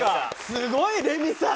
すごいですね、レミさん。